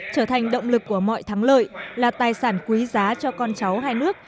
trở thành động lực của mọi thắng lợi là tài sản quý giá cho con cháu hai nước